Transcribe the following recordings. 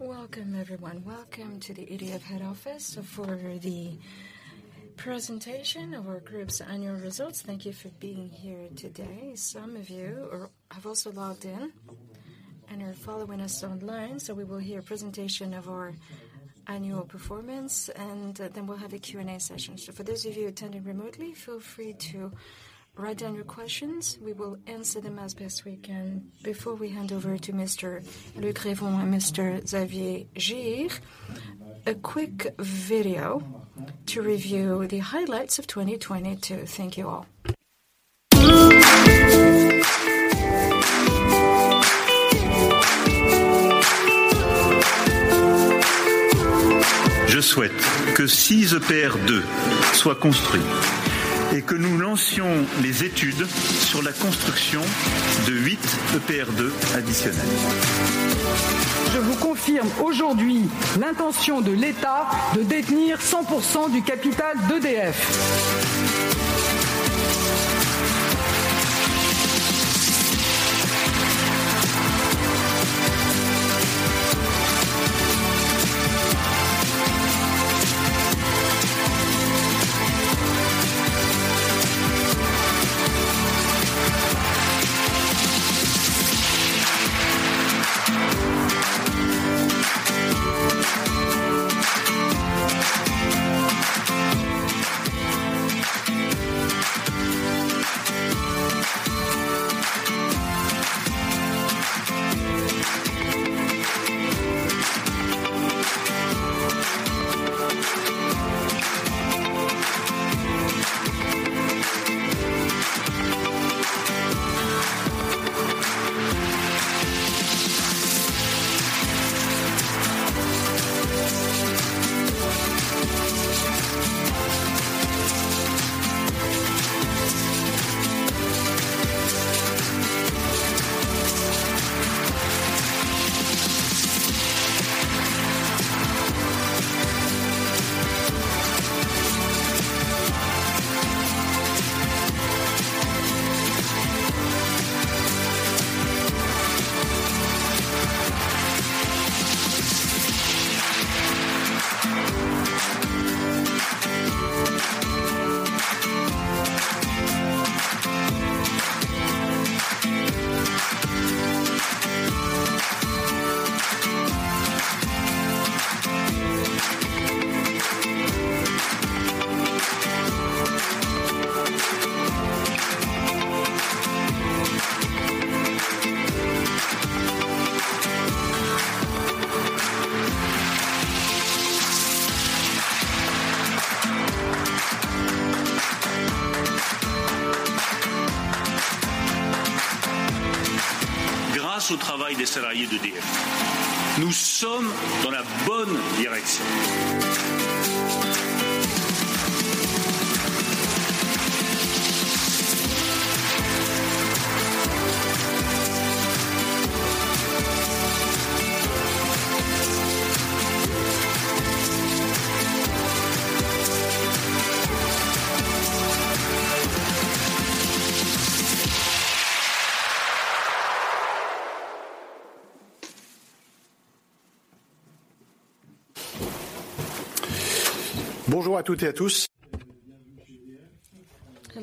Welcome, everyone. Welcome to the EDF head office for the presentation of our group's annual results. Thank you for being here today. Some of you have also logged in and are following us online. We will hear a presentation of our annual performance, and then we'll have a Q&A session. For those of you attending remotely, feel free to write down your questions. We will answer them as best we can. Before we hand over to Mr. Luc Rémont and Mr. Xavier Girre, a quick video to review the highlights of 2022. Thank you all. Hello,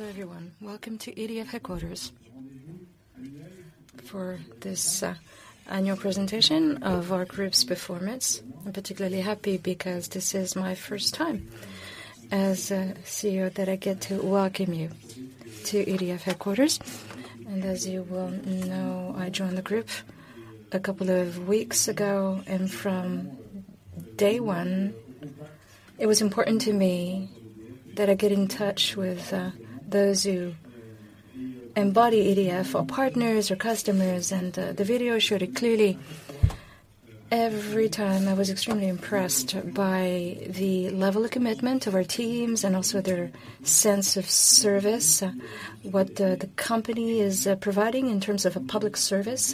everyone. Welcome to EDF headquarters for this annual presentation of our group's performance. I'm particularly happy because this is my first time as CEO that I get to welcome you to EDF headquarters. As you well know, I joined the group a couple of weeks ago, and from day one, it was important to me that I get in touch with those who embody EDF, our partners, our customers, and the video showed it clearly. Every time, I was extremely impressed by the level of commitment of our teams and also their sense of service, what the company is providing in terms of a public service.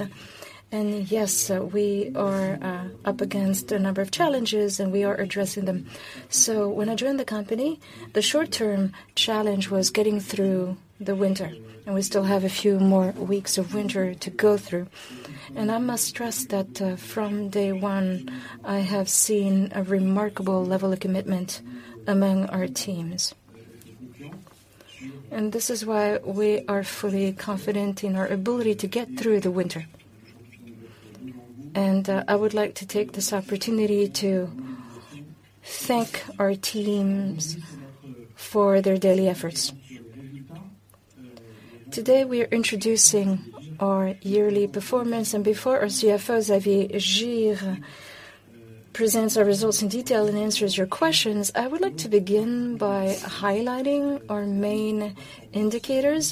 Yes, we are up against a number of challenges, and we are addressing them. When I joined the company, the short-term challenge was getting through the winter, and we still have a few more weeks of winter to go through. I must stress that from day one, I have seen a remarkable level of commitment among our teams. This is why we are fully confident in our ability to get through the winter. I would like to take this opportunity to thank our teams for their daily efforts. Today, we are introducing our yearly performance. Before our CFO, Xavier Girre, presents our results in detail and answers your questions, I would like to begin by highlighting our main indicators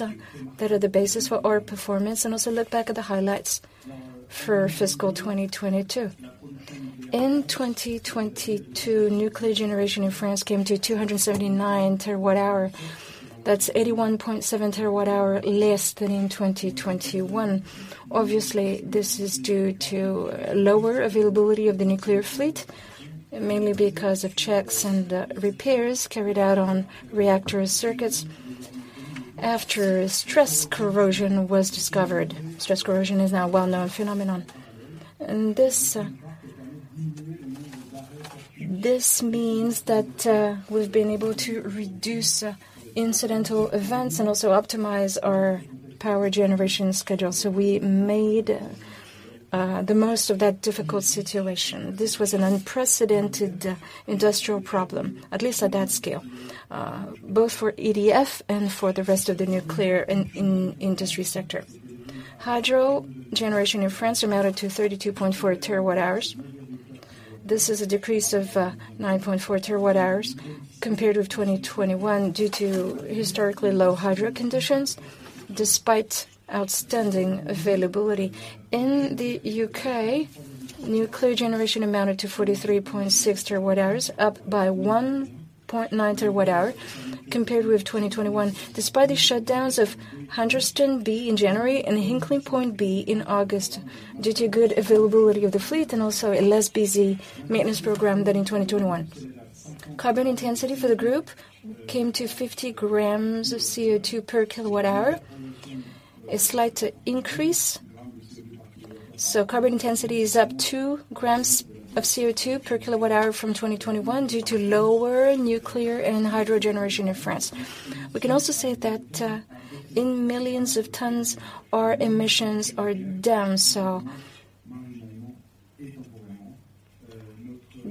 that are the basis for our performance and also look back at the highlights for fiscal 2022. In 2022, nuclear generation in France came to 279 TWh. That's 81.7 TWh less than in 2021. Obviously, this is due to lower availability of the nuclear fleet, mainly because of checks and repairs carried out on reactor circuits. After stress corrosion was discovered. stress corrosion is now a well-known phenomenon. This means that we've been able to reduce incidental events and also optimize our power generation schedule. We made the most of that difficult situation. This was an unprecedented industrial problem, at least at that scale, both for EDF and for the rest of the nuclear in industry sector. Hydro generation in France amounted to 32.4 TWhs. This is a decrease of 9.4 TWhs compared with 2021 due to historically low hydro conditions, despite outstanding availability. In the U.K., nuclear generation amounted to 43.6 TWhs, up by 1.9 TWh compared with 2021, despite the shutdowns of Hunterston B in January and Hinkley Point B in August, due to good availability of the fleet and also a less busy maintenance program than in 2021. Carbon intensity for the group came to 50 grams of CO2 per kWh, a slight increase. Carbon intensity is up 2 grams of CO2 per kWh from 2021 due to lower nuclear and hydro generation in France. We can also say that, in millions of tons, our emissions are down,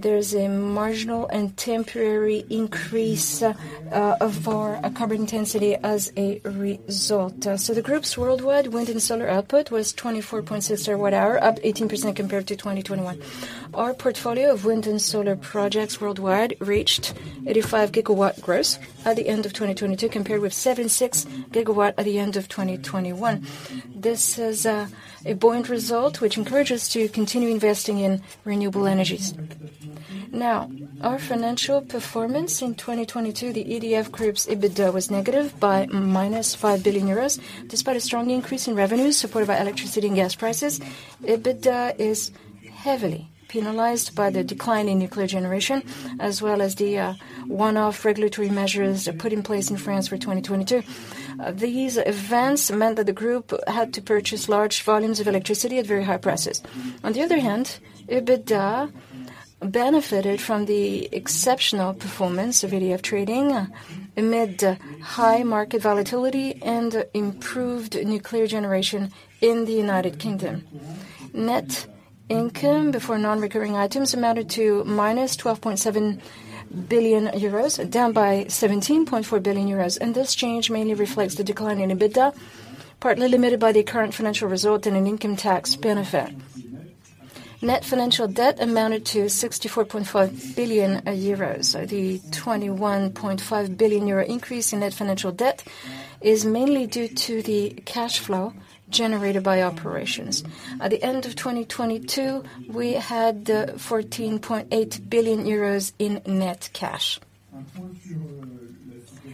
there's a marginal and temporary increase of our carbon intensity as a result. The group's worldwide wind and solar output was 24.6 TWh, up 18% compared to 2021. Our portfolio of wind and solar projects worldwide reached 85 GW gross at the end of 2022 compared with 76 GW at the end of 2021. This is a buoyant result, which encourages to continue investing in renewable energies. Our financial performance in 2022, the EDF Group's EBITDA was negative by -5 billion euros, despite a strong increase in revenues supported by electricity and gas prices. EBITDA is heavily penalized by the decline in nuclear generation, as well as the one-off regulatory measures put in place in France for 2022. These events meant that the group had to purchase large volumes of electricity at very high prices. EBITDA benefited from the exceptional performance of EDF Trading amid high market volatility and improved nuclear generation in the United Kingdom. Net income before non-recurring items amounted to -12.7 billion euros, down by 17.4 billion euros. This change mainly reflects the decline in EBITDA, partly limited by the current financial result and an income tax benefit. Net financial debt amounted to 64.5 billion euros. The 21.5 billion euro increase in net financial debt is mainly due to the cash flow generated by operations. At the end of 2022, we had 14.8 billion euros in net cash.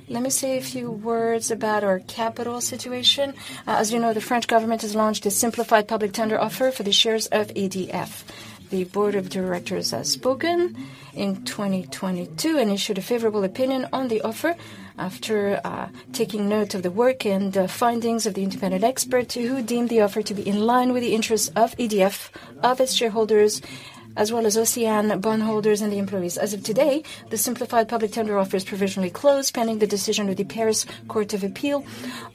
Let me say a few words about our capital situation. As you know, the French government has launched a simplified public tender offer for the shares of EDF. The board of directors has spoken in 2022 and issued a favorable opinion on the offer after taking note of the work and the findings of the independent expert who deemed the offer to be in line with the interests of EDF, of its shareholders, as well as OCEANE bondholders and the employees. As of today, the simplified public tender offer is provisionally closed, pending the decision of the Paris Court of Appeal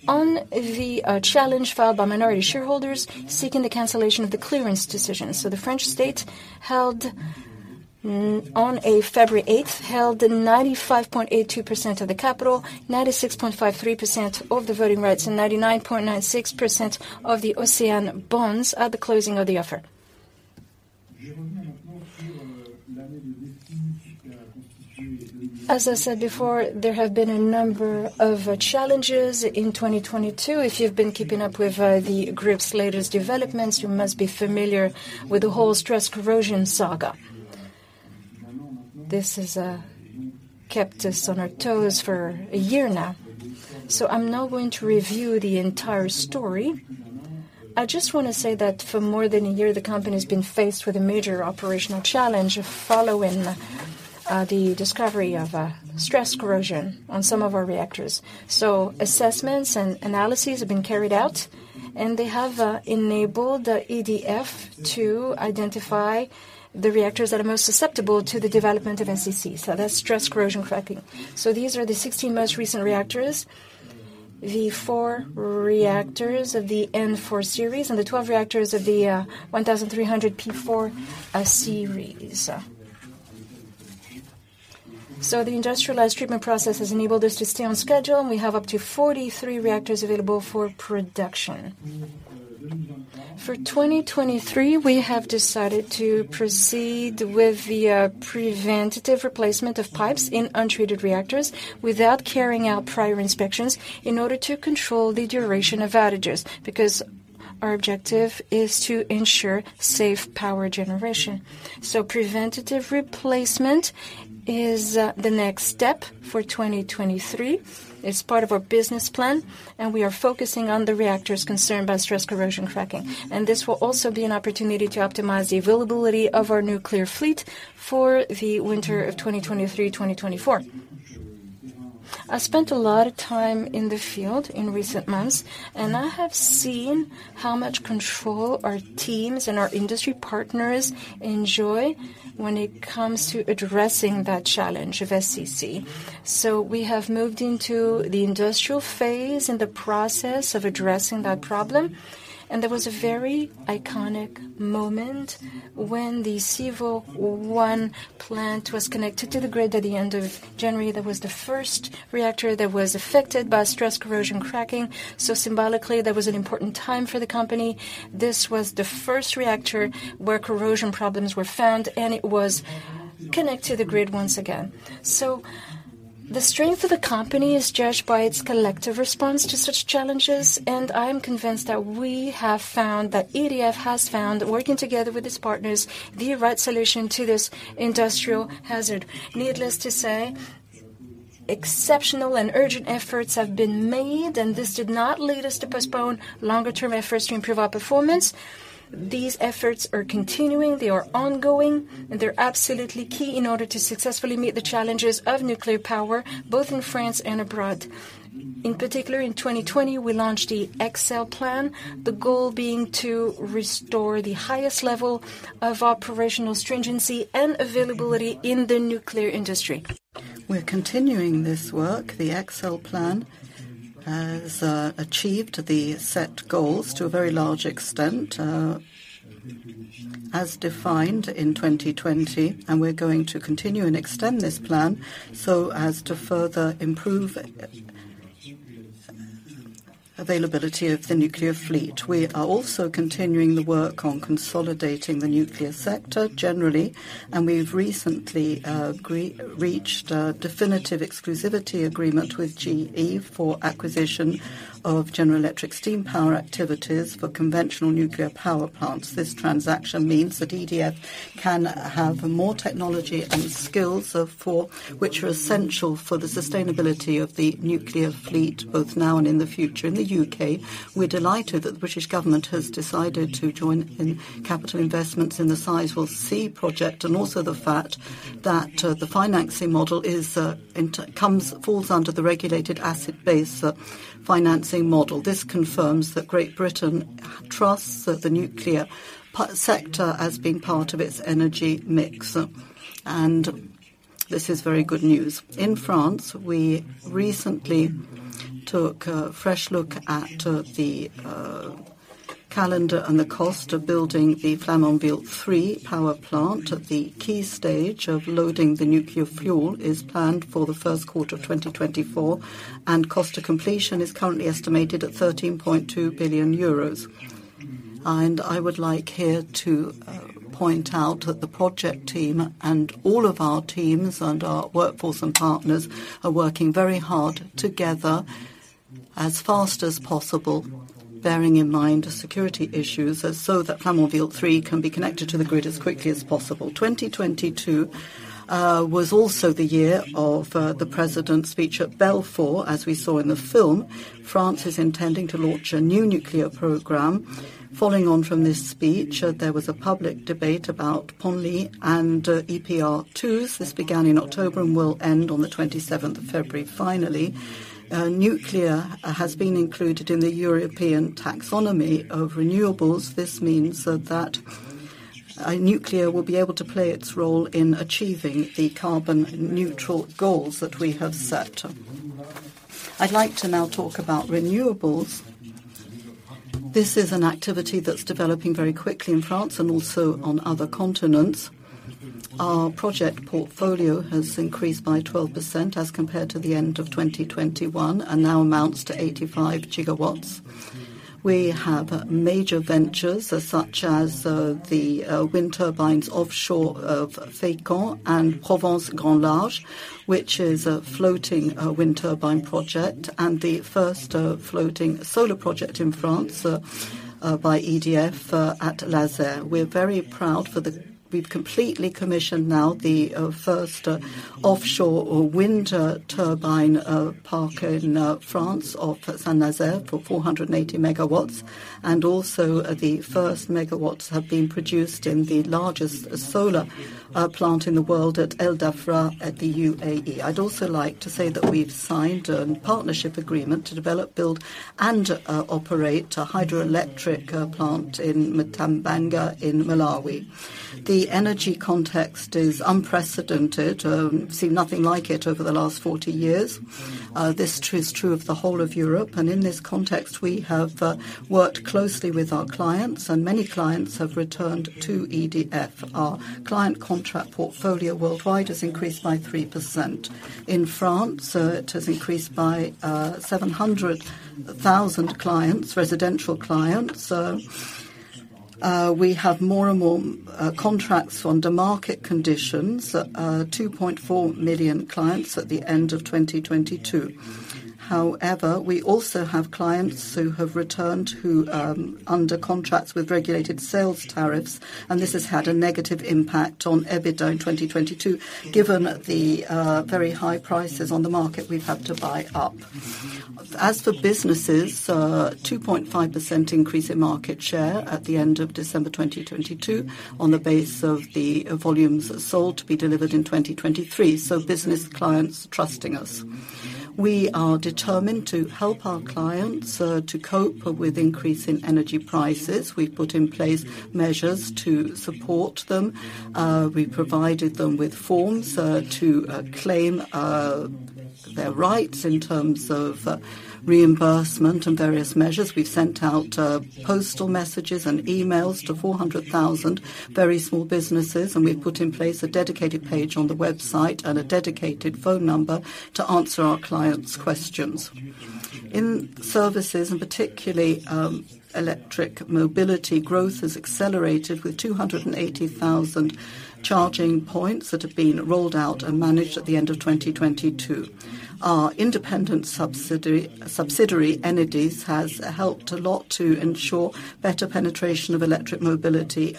on the challenge filed by minority shareholders seeking the cancellation of the clearance decision. The French state held, on February 8th, 95.82% of the capital, 96.53% of the voting rights, and 99.96% of the OCEANE bonds at the closing of the offer. As I said before, there have been a number of challenges in 2022. If you've been keeping up with the group's latest developments, you must be familiar with the whole stress corrosion saga. This has kept us on our toes for a year now. I'm now going to review the entire story. I just wanna say that for more than a year, the company has been faced with a major operational challenge following the discovery of stress corrosion on some of our reactors. Assessments and analyses have been carried out, and they have enabled EDF to identify the reactors that are most susceptible to the development of SCC, that's stress corrosion cracking. These are the 16 most recent reactors, the four reactors of the N4 series and the 12 reactors of the 1,300 P4 series. The industrialized treatment process has enabled us to stay on schedule, and we have up to 43 reactors available for production. For 2023, we have decided to proceed with the preventative replacement of pipes in untreated reactors without carrying out prior inspections in order to control the duration of outages, because our objective is to ensure safe power generation. Preventative replacement is the next step for 2023. It's part of our business plan, and we are focusing on the reactors concerned by stress corrosion cracking. This will also be an opportunity to optimize the availability of our nuclear fleet for the winter of 2023, 2024. I spent a lot of time in the field in recent months, and I have seen how much control our teams and our industry partners enjoy when it comes to addressing that challenge of SCC. We have moved into the industrial phase in the process of addressing that problem, and there was a very iconic moment when the Civaux 1 plant was connected to the grid at the end of January. That was the first reactor that was affected by stress corrosion cracking. Symbolically, that was an important time for the company. This was the first reactor where corrosion problems were found, and it was connected to the grid once again. The strength of the company is judged by its collective response to such challenges. I am convinced that we have found, that EDF has found, working together with its partners, the right solution to this industrial hazard. Needless to say, exceptional and urgent efforts have been made. This did not lead us to postpone longer-term efforts to improve our performance. These efforts are continuing, they are ongoing, and they're absolutely key in order to successfully meet the challenges of nuclear power, both in France and abroad. In particular, in 2020, we launched the excell Plan, the goal being to restore the highest level of operational stringency and availability in the nuclear industry. We're continuing this work. The excell Plan has achieved the set goals to a very large extent, as defined in 2020, and we're going to continue and extend this plan so as to further improve availability of the nuclear fleet. We are also continuing the work on consolidating the nuclear sector generally, and we've recently reached a definitive exclusivity agreement with GE for acquisition of GE Steam Power activities for conventional nuclear power plants. This transaction means that EDF can have more technology and skills, for which are essential for the sustainability of the nuclear fleet, both now and in the future. In the U.K., we're delighted that the British government has decided to join in capital investments in the Sizewell C project, and also the fact that the financing model falls under the Regulated Asset Base financing model. This confirms that Great Britain trusts the nuclear sector as being part of its energy mix, and this is very good news. In France, we recently took a fresh look at the calendar and the cost of building the Flamanville 3 power plant. The key stage of loading the nuclear fuel is planned for the first quarter of 2024, and cost to completion is currently estimated at 13.2 billion euros. I would like here to point out that the project team and all of our teams and our workforce and partners are working very hard together as fast as possible, bearing in mind security issues, so that Flamanville 3 can be connected to the grid as quickly as possible. 2022 was also the year of the president's speech at Belfort, as we saw in the film. France is intending to launch a new nuclear program. Following on from this speech, there was a public debate about Penly and EPR2s. This began in October and will end on the 27th of February. Finally, nuclear has been included in the European taxonomy of renewables. This means that nuclear will be able to play its role in achieving the carbon-neutral goals that we have set. I'd like to now talk about renewables. This is an activity that's developing very quickly in France and also on other continents. Our project portfolio has increased by 12% as compared to the end of 2021 and now amounts to 85 GWs. We have major ventures such as, the, wind turbines offshore of Fécamp and Provence Grand Large, which is a floating, wind turbine project, and the first, floating solar project in France, by EDF, at Lazer. We've completely commissioned now the, first, offshore or wind turbine, park in, France off Saint-Nazaire for 480 MW, and also, the first MW have been produced in the largest solar, plant in the world at Al Dhafra at the UAE. I'd also like to say that we've signed a partnership agreement to develop, build and operate a hydroelectric plant in Mpatamanga in Malawi. The energy context is unprecedented, seen nothing like it over the last 40 years. This is true of the whole of Europe, and in this context, we have worked closely with our clients, and many clients have returned to EDF. Our client contract portfolio worldwide has increased by 3%. In France, it has increased by 700,000 clients, residential clients. We have more and more contracts under market conditions, 2.4 million clients at the end of 2022. However, we also have clients who have returned who, under contracts with regulated sales tariffs, and this has had a negative impact on EBITDA in 2022. Given the very high prices on the market, we've had to buy up. As for businesses, 2.5% increase in market share at the end of December 2022 on the base of the volumes sold to be delivered in 2023, so business clients trusting us. We are determined to help our clients to cope with increase in energy prices. We've put in place measures to support them. We provided them with forms to claim their rights in terms of reimbursement and various measures. We've sent out postal messages and emails to 400,000 very small businesses, and we've put in place a dedicated page on the website and a dedicated phone number to answer our clients' questions. In services, and particularly, electric mobility, growth has accelerated with 280,000 charging points that have been rolled out and managed at the end of 2022. Our independent subsidiary, Enedis, has helped a lot to ensure better penetration of electric mobility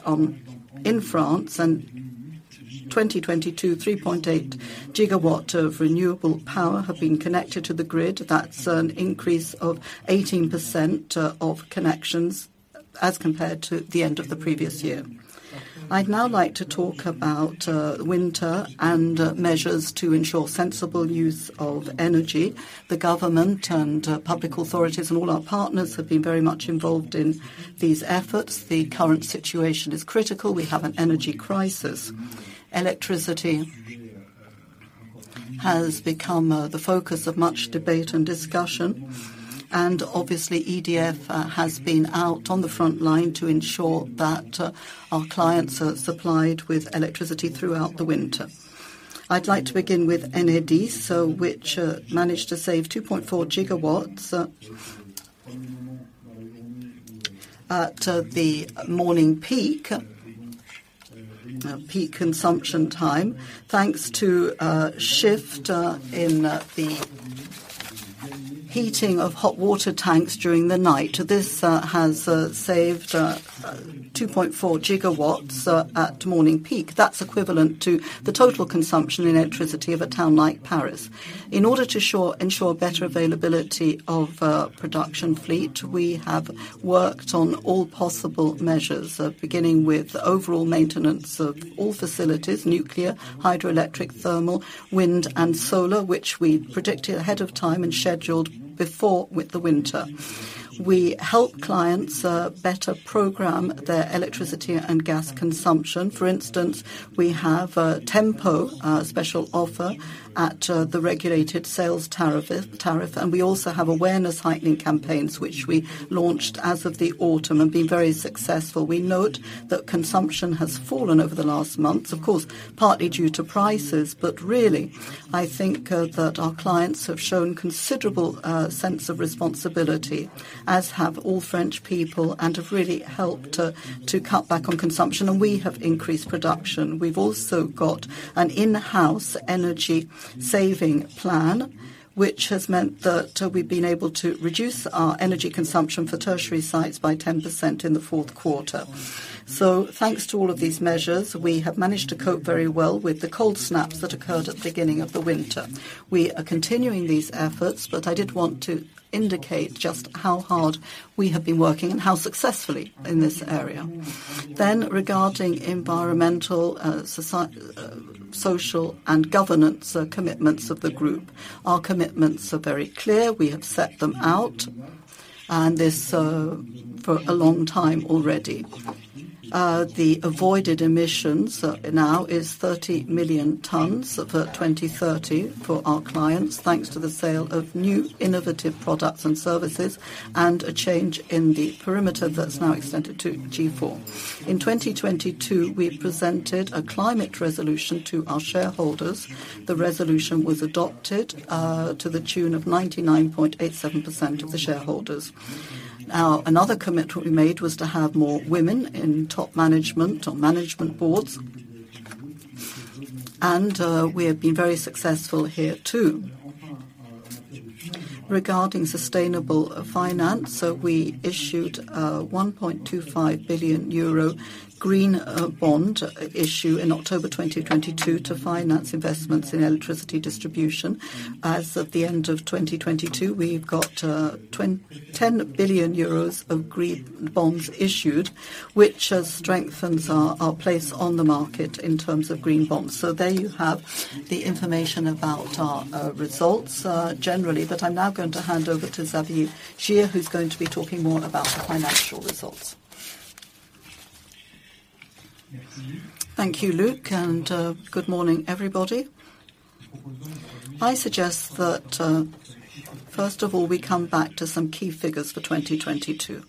in France. 2022, 3.8 GW of renewable power have been connected to the grid. That's an increase of 18% of connections as compared to the end of the previous year. I'd now like to talk about winter and measures to ensure sensible use of energy. The government and public authorities and all our partners have been very much involved in these efforts. The current situation is critical. We have an energy crisis. Electricity has become the focus of much debate and discussion, and obviously EDF has been out on the front line to ensure that our clients are supplied with electricity throughout the winter. I'd like to begin with Enedis, so which managed to save 2.4 GWs at the morning peak consumption time. Thanks to a shift in the heating of hot water tanks during the night, this has saved 2.4 GWs at morning peak. That's equivalent to the total consumption in electricity of a town like Paris. In order to ensure better availability of production fleet, we have worked on all possible measures, beginning with the overall maintenance of all facilities, nuclear, hydroelectric, thermal, wind and solar, which we predicted ahead of time and scheduled before with the winter. We help clients better program their electricity and gas consumption. For instance, we have Tempo special offer at the regulated sales tariff. We also have awareness heightening campaigns, which we launched as of the autumn and been very successful. We note that consumption has fallen over the last months, of course, partly due to prices. Really, I think that our clients have shown considerable sense of responsibility, as have all French people, and have really helped to cut back on consumption and we have increased production. We've also got an in-house energy saving plan, which has meant that we've been able to reduce our energy consumption for tertiary sites by 10% in the fourth quarter. Thanks to all of these measures, we have managed to cope very well with the cold snaps that occurred at beginning of the winter. We are continuing these efforts, but I did want to indicate just how hard we have been working and how successfully in this area. Regarding environmental, social and governance commitments of the group, our commitments are very clear. We have set them out and this for a long time already. The avoided emissions now is 30 million tons for 2030 for our clients, thanks to the sale of new innovative products and services and a change in the perimeter that's now extended to G4. In 2022, we presented a climate resolution to our shareholders. The resolution was adopted to the tune of 99.87% of the shareholders. Another commitment we made was to have more women in top management or management boards. We have been very successful here too. Regarding sustainable finance, we issued a 1.25 billion euro green bond issue in October 2022 to finance investments in electricity distribution. As of the end of 2022, we've got 10 billion euros of green bonds issued, which strengthens our place on the market in terms of green bonds. There you have the information about our results generally. I'm now going to hand over to Xavier Girre, who's going to be talking more about the financial results. Thank you, Luc, and good morning, everybody. I suggest that first of all, we come back to some key figures for 2022.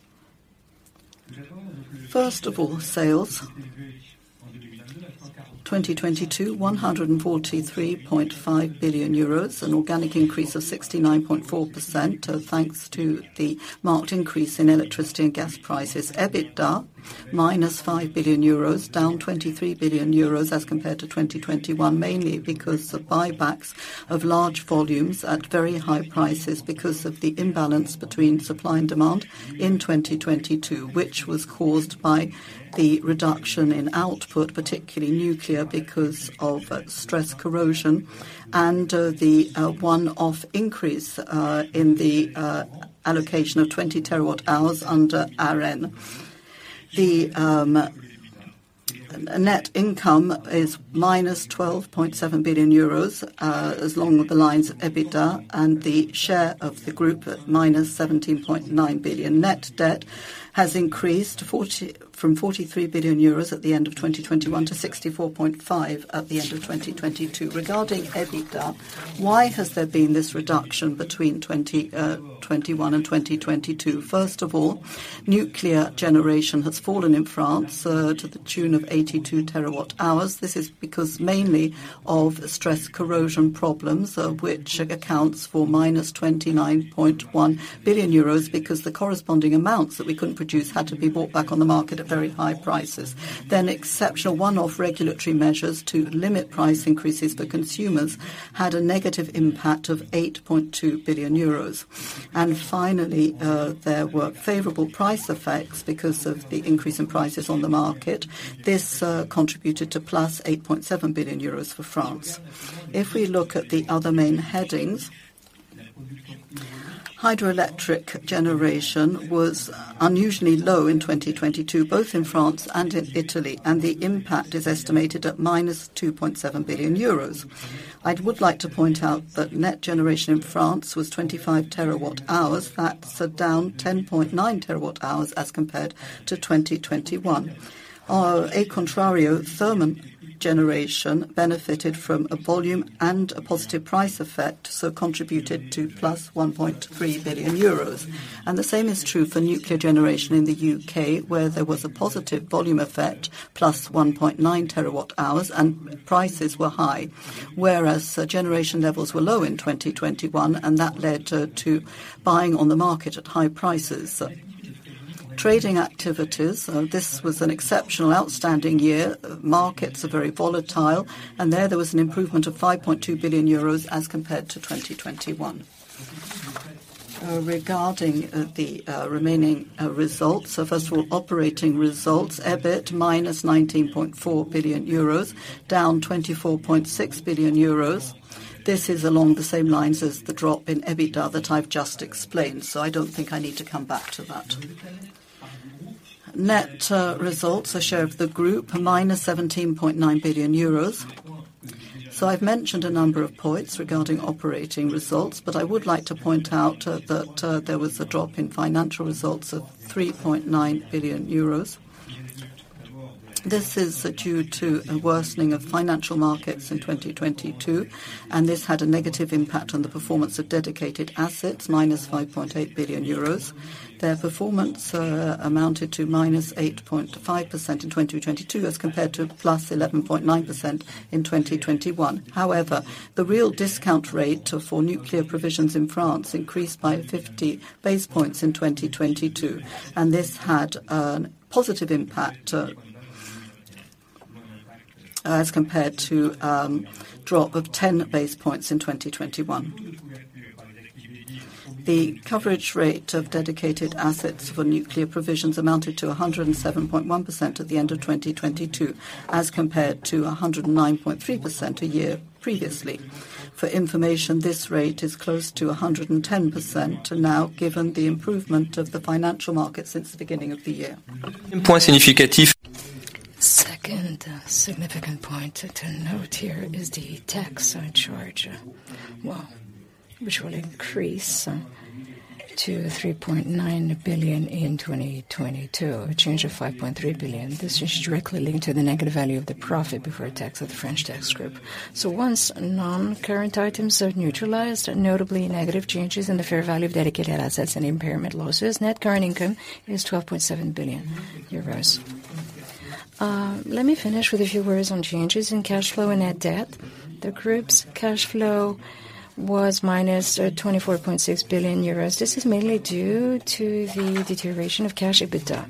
First of all, Sales 2022, 143.5 billion euros. An organic increase of 69.4%, thanks to the marked increase in electricity and gas prices. EBITDA, minus 5 billion euros, down 23 billion euros as compared to 2021. Mainly because of buybacks of large volumes at very high prices because of the imbalance between supply and demand in 2022, which was caused by the reduction in output, particularly nuclear, because of stress corrosion and the one-off increase in the allocation of 20 TWhs under ARENH. The net income is minus 12.7 billion euros, as along with the lines of EBITDA and the share of the group at minus 17.9 billion. Net debt has increased from 43 billion euros at the end of 2021 to 64.5 billion at the end of 2022. Regarding EBITDA, why has there been this reduction between 2021 and 2022? First of all, nuclear generation has fallen in France to the tune of 82 TWhs. This is because mainly of stress corrosion problems, of which accounts for -29.1 billion euros because the corresponding amounts that we couldn't produce had to be bought back on the market at very high prices. Exceptional one-off regulatory measures to limit price increases for consumers had a negative impact of 8.2 billion euros. Finally, there were favorable price effects because of the increase in prices on the market. This contributed to +8.7 billion euros for France. If we look at the other main headings, hydroelectric generation was unusually low in 2022, both in France and in Italy, the impact is estimated at minus 2.7 billion euros. I would like to point out that net generation in France was 25 TWhs. That's down 10.9 TWhs as compared to 2021. A contrario, thermal generation benefited from a volume and a positive price effect, contributed to plus 1.3 billion euros. The same is true for nuclear generation in the U.K., where there was a positive volume effect, plus 1.9 TWhs, and prices were high. Whereas generation levels were low in 2021, that led to buying on the market at high prices. Trading activities, this was an exceptional outstanding year. Markets are very volatile, and there was an improvement of 5.2 billion euros as compared to 2021. Regarding the remaining results. First of all, operating results, EBIT -19.4 billion euros, down 24.6 billion euros. This is along the same lines as the drop in EBITDA that I've just explained, so I don't think I need to come back to that. Net results, a share of the group, -17.9 billion euros. I've mentioned a number of points regarding operating results, but I would like to point out that there was a drop in financial results of 3.9 billion euros. This is due to a worsening of financial markets in 2022. This had a negative impact on the performance of dedicated assets, -5.8 billion euros. Their performance amounted to -8.5% in 2022, as compared to +11.9% in 2021. However, the real discount rate for nuclear provisions in France increased by 50 basis points in 2022. This had a positive impact as compared to a drop of 10 basis points in 2021. The coverage rate of dedicated assets for nuclear provisions amounted to 107.1% at the end of 2022, as compared to 109.3% a year previously. For information, this rate is close to 110% now, given the improvement of the financial market since the beginning of the year. Second, significant point to note here is the tax charge, well, which will increase to 3.9 billion in 2022, a change of 5.3 billion. This is directly linked to the negative value of the profit before tax of the French tax group. Once non-current items are neutralized, notably negative changes in the fair value of dedicated assets and impairment losses, net current income is 12.7 billion euros. Let me finish with a few words on changes in cash flow and net debt. The group's cash flow was minus 24.6 billion euros. This is mainly due to the deterioration of cash EBITDA,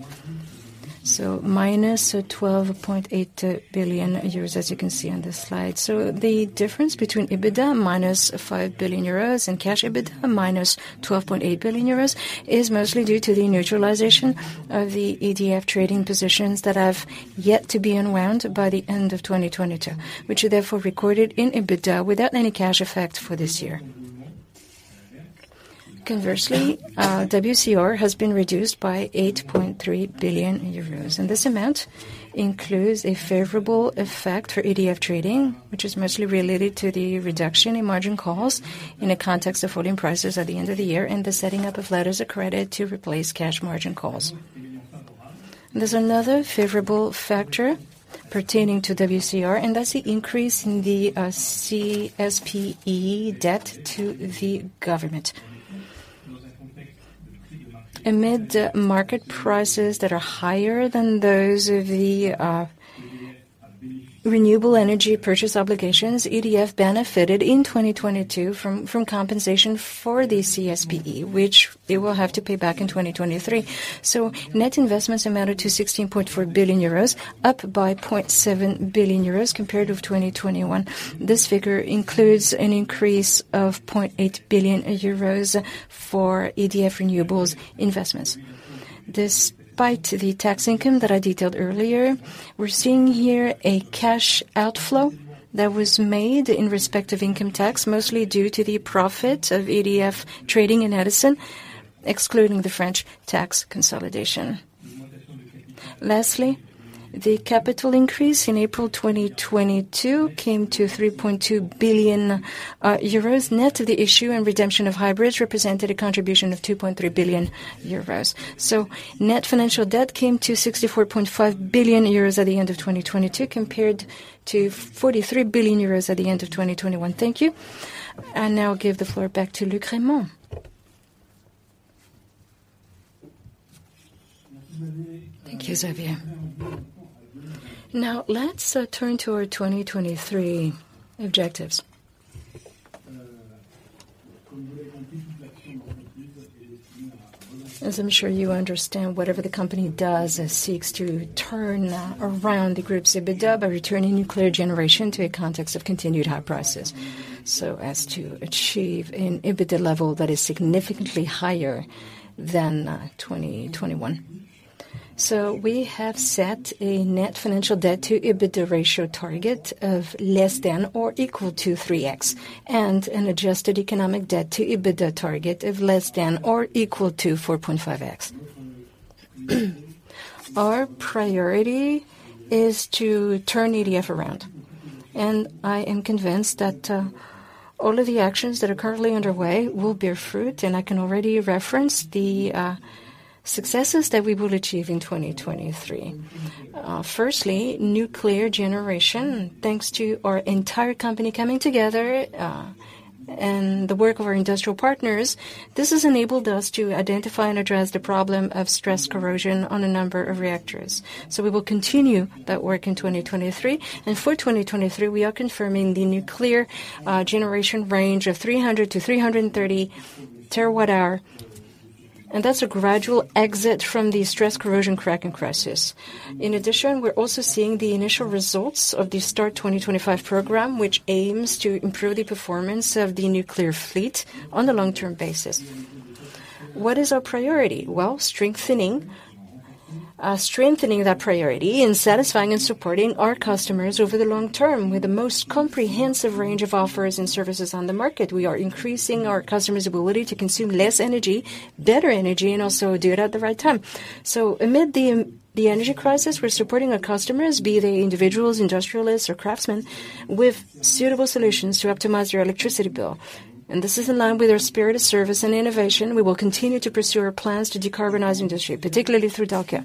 so minus 12.8 billion euros, as you can see on this slide. The difference between EBITDA minus 5 billion euros and cash EBITDA minus 12.8 billion euros is mostly due to the neutralization of the EDF Trading positions that have yet to be unwound by the end of 2022, which are therefore recorded in EBITDA without any cash effect for this year. Conversely, WCR has been reduced by 8.3 billion euros, and this amount includes a favorable effect for EDF Trading, which is mostly related to the reduction in margin calls in the context of falling prices at the end of the year and the setting up of letters of credit to replace cash margin calls. There's another favorable factor pertaining to WCR, and that's the increase in the CSPE debt to the government. Amid market prices that are higher than those of the renewable energy purchase obligations, EDF benefited in 2022 from compensation for the CSPE, which they will have to pay back in 2023. Net investments amounted to 16.4 billion euros, up by 0.7 billion euros compared with 2021. This figure includes an increase of 0.8 billion euros for EDF Renewables investments. Despite the tax income that I detailed earlier, we're seeing here a cash outflow that was made in respect of income tax, mostly due to the profit of EDF Trading and Edison, excluding the French tax consolidation. Lastly, the capital increase in April 2022 came to 3.2 billion euros. Net of the issue and redemption of hybrids represented a contribution of 2.3 billion euros. Net financial debt came to 64.5 billion euros at the end of 2022, compared to 43 billion euros at the end of 2021. Thank you. Now I'll give the floor back to Luc Rémont. Thank you, Xavier. Now, let's turn to our 2023 objectives. As I'm sure you understand, whatever the company does seeks to turn around the group's EBITDA by returning nuclear generation to a context of continued high prices, so as to achieve an EBITDA level that is significantly higher than 2021. We have set a net financial debt to EBITDA ratio target of less than or equal to 3x, and an adjusted economic debt to EBITDA target of less than or equal to 4.5x. Our priority is to turn EDF around. I am convinced that all of the actions that are currently underway will bear fruit, and I can already reference the successes that we will achieve in 2023. Firstly, nuclear generation. Thanks to our entire company coming together and the work of our industrial partners, this has enabled us to identify and address the problem of stress corrosion on a number of reactors. We will continue that work in 2023. For 2023, we are confirming the nuclear generation range of 300-330 TWh, and that's a gradual exit from the stress corrosion Cracking crisis. In addition, we're also seeing the initial results of the START 2025 program, which aims to improve the performance of the nuclear fleet on a long-term basis. What is our priority? Well, strengthening that priority and satisfying and supporting our customers over the long term with the most comprehensive range of offers and services on the market. We are increasing our customers' ability to consume less energy, better energy, and also do it at the right time. Amid the energy crisis, we're supporting our customers, be they individuals, industrialists or craftsmen, with suitable solutions to optimize their electricity bill. This is in line with our spirit of service and innovation. We will continue to pursue our plans to decarbonize industry, particularly through Dalkia.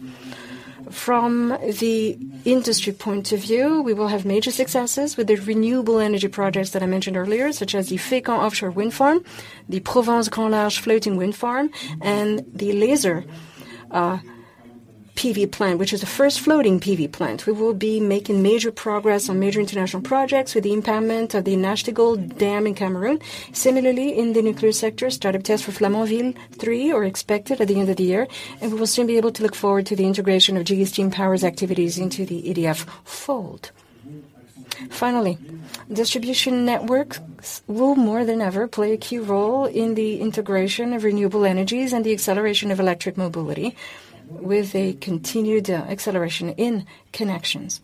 From the industry point of view, we will have major successes with the renewable energy projects that I mentioned earlier, such as the Fécamp offshore wind farm, the Provence Grand Large floating wind farm, and the Lazer PV plant, which is the first floating PV plant. We will be making major progress on major international projects with the empowerment of the Nachtigal Dam in Cameroon. Similarly, in the nuclear sector, startup tests for Flamanville 3 are expected at the end of the year, and we will soon be able to look forward to the integration of GE Steam Power's activities into the EDF fold. Finally, distribution networks will, more than ever, play a key role in the integration of renewable energies and the acceleration of electric mobility with a continued acceleration in connections.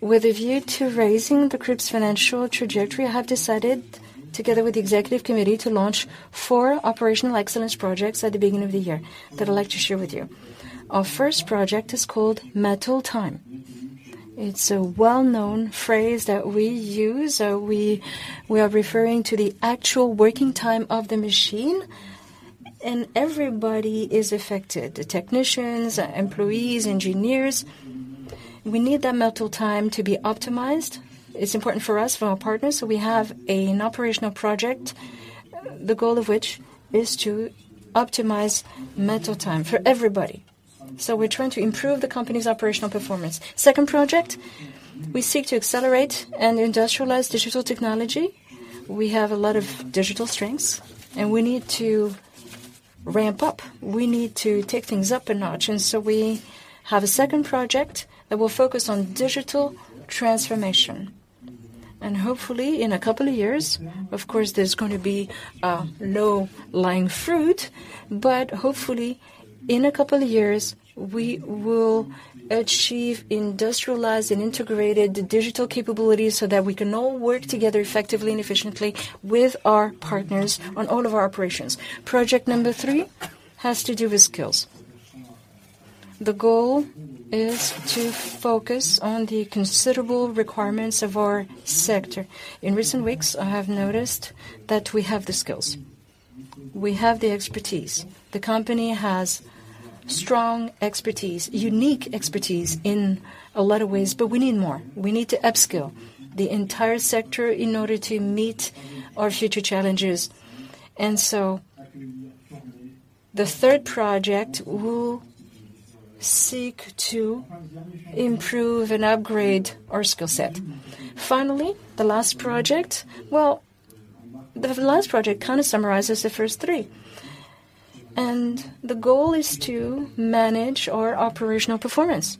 With a view to raising the group's financial trajectory, I have decided, together with the executive committee, to launch four operational excellence projects at the beginning of the year that I'd like to share with you. Our first project is called Metal Time. It's a well-known phrase that we use. We are referring to the actual working time of the machine, and everybody is affected, the technicians, employees, engineers. We need that metal time to be optimized. It's important for us, for our partners. We have an operational project, the goal of which is to optimize metal time for everybody. We're trying to improve the company's operational performance. Second project, we seek to accelerate and industrialize digital technology. We have a lot of digital strengths, and we need to ramp up. We need to take things up a notch. We have a second project that will focus on digital transformation. Hopefully, in a couple of years, of course, there's gonna be low-lying fruit, but hopefully, in a couple of years, we will achieve industrialized and integrated digital capabilities so that we can all work together effectively and efficiently with our partners on all of our operations. Project number three has to do with skills. The goal is to focus on the considerable requirements of our sector. In recent weeks, I have noticed that we have the skills, we have the expertise. The company has strong expertise, unique expertise in a lot of ways, but we need more. We need to upskill the entire sector in order to meet our future challenges. The third project will seek to improve and upgrade our skill set. Finally, the last project. Well, the last project kind of summarizes the first three, and the goal is to manage our operational performance.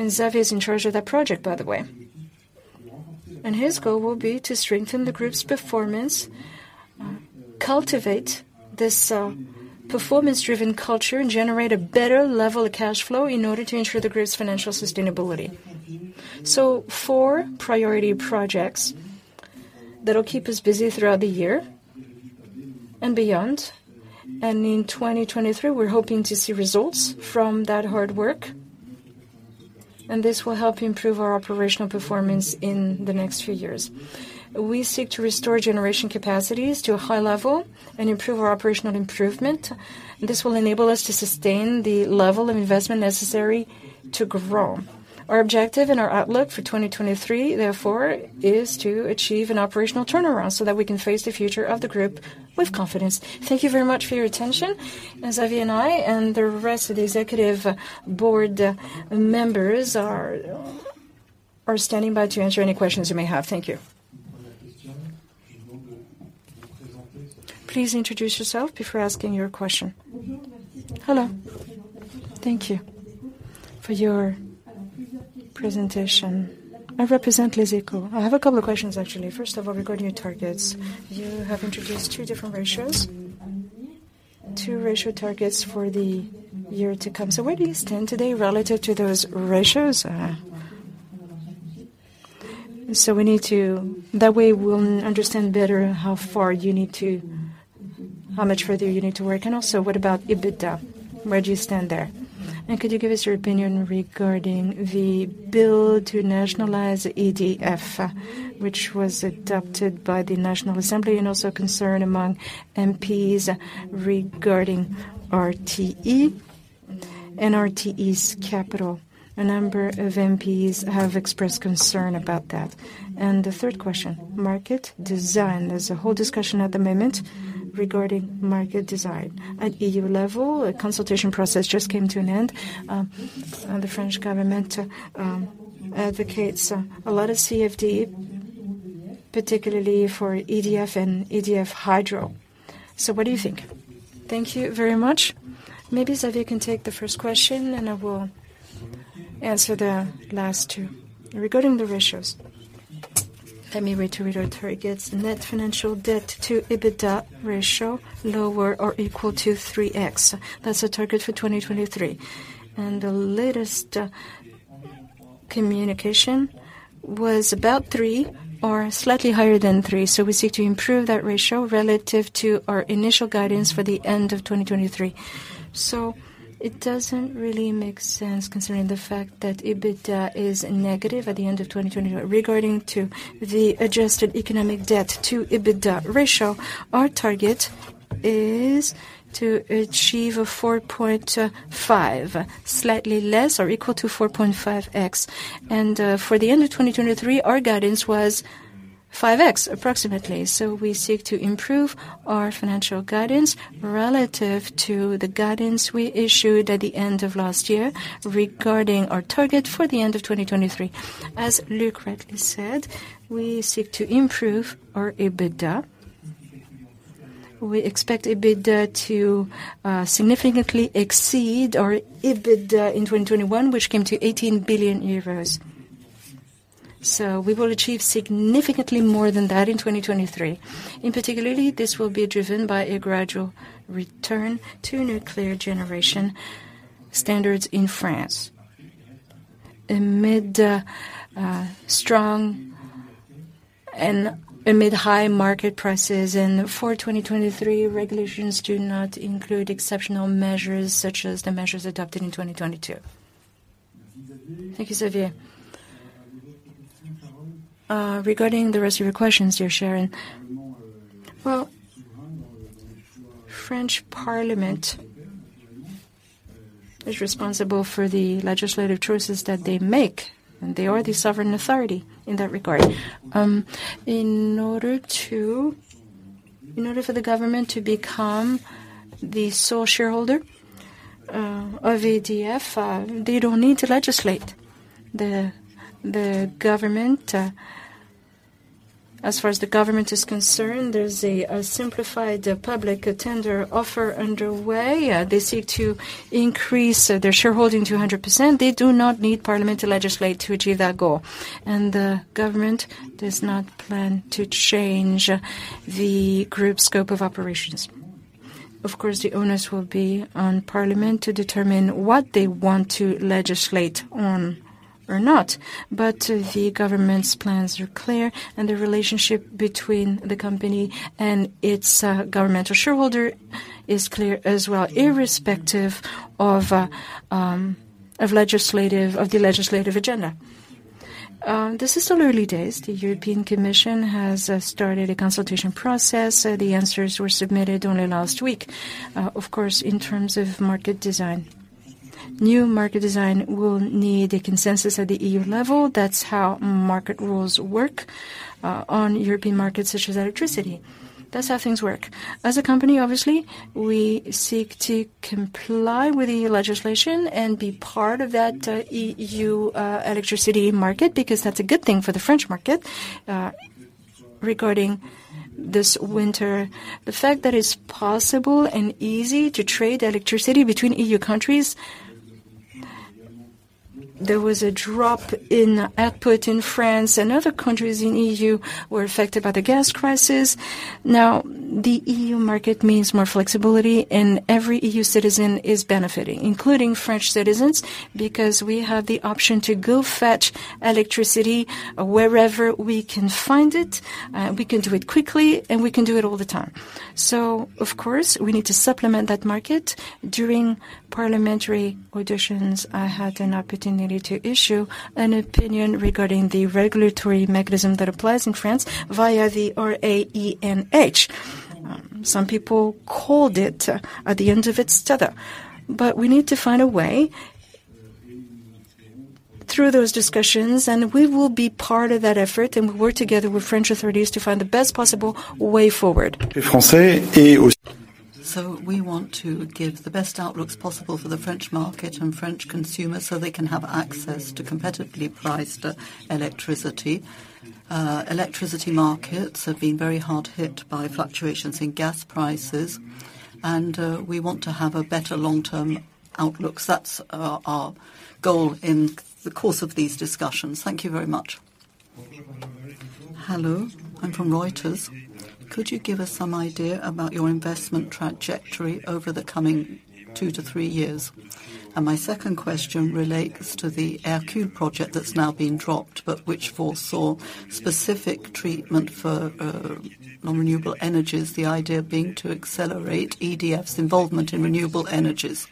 Xavier is in charge of that project, by the way. His goal will be to strengthen the group's performance, cultivate this performance-driven culture, and generate a better level of cash flow in order to ensure the group's financial sustainability. Four priority projects that'll keep us busy throughout the year and beyond. In 2023, we're hoping to see results from that hard work, and this will help improve our operational performance in the next few years. We seek to restore generation capacities to a high level and improve our operational improvement. This will enable us to sustain the level of investment necessary to grow. Our objective and our outlook for 2023, therefore, is to achieve an operational turnaround so that we can face the future of the group with confidence. Thank you very much for your attention. Xavier and I, and the rest of the executive board members are standing by to answer any questions you may have. Thank you. Please introduce yourself before asking your question. Hello. Thank you for your presentation. I represent Les Echos. I have a couple of questions, actually. First of all, regarding your targets. You have introduced two different ratios, two ratio targets for the year to come. Where do you stand today relative to those ratios? That way we'll understand better how much further you need to work. Also, what about EBITDA? Where do you stand there? Could you give us your opinion regarding the bill to nationalize EDF, which was adopted by the National Assembly, and also concern among MPs regarding RTE and RTE's capital? A number of MPs have expressed concern about that. The third question, market design. There's a whole discussion at the moment regarding market design. At EU level, a consultation process just came to an end. The French government advocates a lot of CFD, particularly for EDF and EDF Hydro. What do you think? Thank you very much. Maybe, Xavier, you can take the first question, and I will answer the last two. Regarding the ratios, let me read to you our targets. Net financial debt to EBITDA ratio lower or equal to 3x. That's a target for 2023. The latest communication was about 3 or slightly higher than 3. We seek to improve that ratio relative to our initial guidance for the end of 2023. It doesn't really make sense considering the fact that EBITDA is negative at the end of 2020. Regarding to the adjusted economic debt to EBITDA ratio, our target is to achieve a 4.5x, slightly less or equal to 4.5x. For the end of 2023, our guidance was 5x approximately. We seek to improve our financial guidance relative to the guidance we issued at the end of last year regarding our target for the end of 2023. As Luc correctly said, we seek to improve our EBITDA. We expect EBITDA to significantly exceed our EBITDA in 2021, which came to 18 billion euros. We will achieve significantly more than that in 2023. In particular, this will be driven by a gradual return to nuclear generation standards in France amid strong and amid high market prices. For 2023, regulations do not include exceptional measures such as the measures adopted in 2022. Thank you, Xavier. Regarding the rest of your questions, dear Sharon. Well, French Parliament is responsible for the legislative choices that they make, and they are the sovereign authority in that regard. In order for the government to become the sole shareholder of EDF, they don't need to legislate. As far as the government is concerned, there's a simplified public tender offer underway. They seek to increase their shareholding to 100%. They do not need Parliament to legislate to achieve that goal. The government does not plan to change the group's scope of operations. Of course, the onus will be on Parliament to determine what they want to legislate on or not. The government's plans are clear, and the relationship between the company and its governmental shareholder is clear as well, irrespective of the legislative agenda. This is the early days. The European Commission has started a consultation process. The answers were submitted only last week. Of course, in terms of market design. New market design will need a consensus at the E.U. level. That's how market rules work on European markets such as electricity. That's how things work. As a company, obviously, we seek to comply with the legislation and be part of that E.U. electricity market, because that's a good thing for the French market. Regarding this winter, the fact that it's possible and easy to trade electricity between E.U. countries, there was a drop in output in France and other countries in E.U. were affected by the gas crisis. The E.U. market means more flexibility, and every E.U. Citizen is benefiting, including French citizens, because we have the option to go fetch electricity wherever we can find it, we can do it quickly, and we can do it all the time. Of course, we need to supplement that market. During parliamentary auditions, I had an opportunity to issue an opinion regarding the regulatory mechanism that applies in France via the ARENH. Some people called it at the end of its tether. We need to find a way through those discussions, and we will be part of that effort, and we work together with French authorities to find the best possible way forward. We want to give the best outlooks possible for the French market and French consumers, so they can have access to competitively priced electricity. Electricity markets have been very hard hit by fluctuations in gas prices, and we want to have a better long-term outlook. That's our goal in the course of these discussions. Thank you very much. Hello, I'm from Reuters. Could you give us some idea about your investment trajectory over the coming two to three years? My second question relates to the Hercule project that's now been dropped, but which foresaw specific treatment for non-renewable energies, the idea being to accelerate EDF's involvement in renewable energies.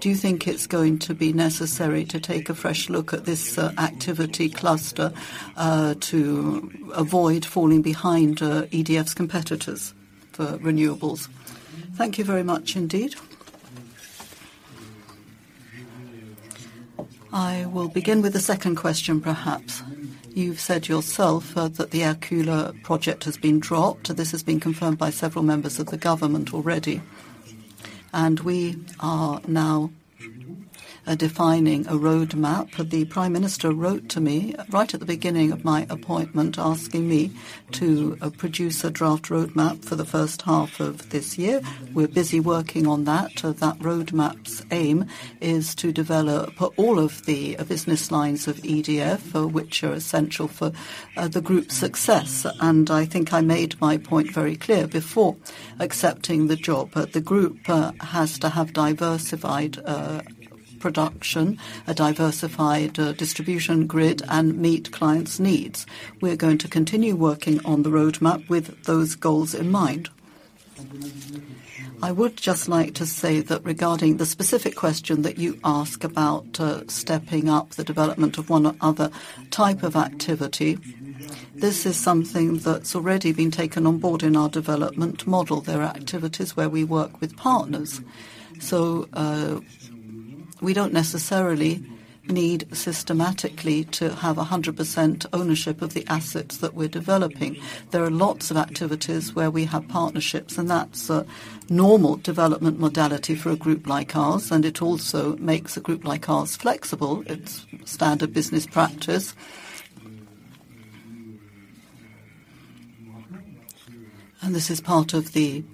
Do you think it's going to be necessary to take a fresh look at this activity cluster to avoid falling behind EDF's competitors for renewables? Thank you very much indeed. I will begin with the second question, perhaps. You've said yourself that the Hercule project has been dropped. This has been confirmed by several members of the government already. We are now defining a roadmap. The Prime Minister wrote to me right at the beginning of my appointment, asking me to produce a draft roadmap for the first half of this year. We're busy working on that. That roadmap's aim is to develop all of the business lines of EDF, which are essential for the group's success. I think I made my point very clear before accepting the job, that the group has to have diversified production, a diversified distribution grid, and meet clients' needs. We're going to continue working on the roadmap with those goals in mind. I would just like to say that regarding the specific question that you ask about, stepping up the development of one or other type of activity, this is something that's already been taken on board in our development model. We don't necessarily need systematically to have 100% ownership of the assets that we're developing. There are lots of activities where we have partnerships, and that's a normal development modality for a group like ours, and it also makes a group like ours flexible. It's standard business practice. This is part of the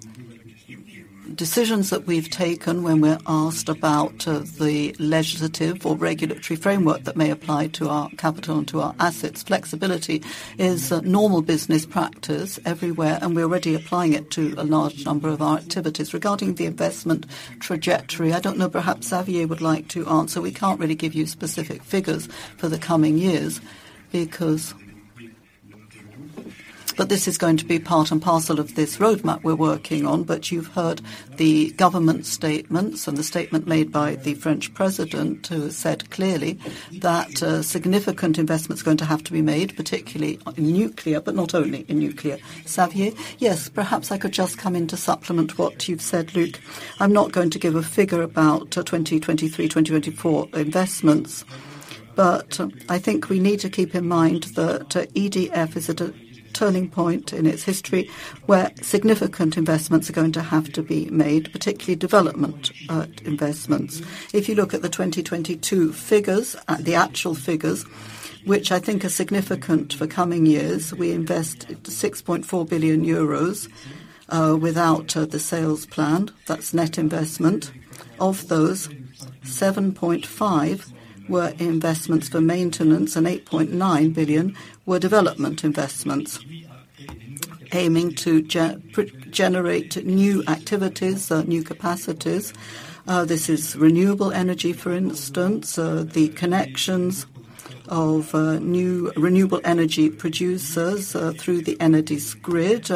decisions that we've taken when we're asked about, the legislative or regulatory framework that may apply to our capital and to our assets. Flexibility is a normal business practice everywhere, and we're already applying it to a large number of our activities. Regarding the investment trajectory, I don't know, perhaps Xavier would like to answer. We can't really give you specific figures for the coming years because. This is going to be part and parcel of this roadmap we're working on. You've heard the government statements and the statement made by the French president, who has said clearly that, significant investment's going to have to be made, particularly in nuclear, but not only in nuclear. Xavier? Yes. Perhaps I could just come in to supplement what you've said, Luc. I'm not going to give a figure about 2023, 2024 investments. I think we need to keep in mind that EDF is at a turning point in its history where significant investments are going to have to be made, particularly development investments. If you look at the 2022 figures, at the actual figures, which I think are significant for coming years, we invest 6.4 billion euros without the sales planned. That's net investment. Of those, 7.5 were investments for maintenance and 8.9 billion were development investments aiming to generate new activities, new capacities. This is renewable energy, for instance. The connections of new renewable energy producers through the Enedis grid,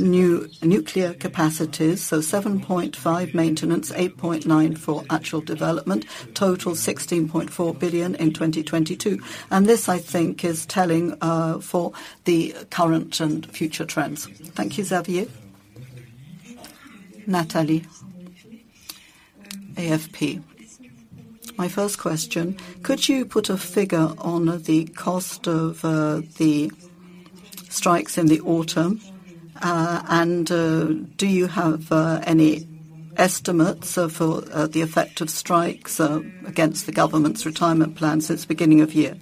new nuclear capacities. 7.5 maintenance, 8.9 for actual development, total 16.4 billion in 2022. This, I think, is telling for the current and future trends. Thank you, Xavier. Nathalie, AFP. My first question, could you put a figure on the cost of the strikes in the autumn? Do you have any estimates for the effect of strikes against the government's retirement plan since beginning of year?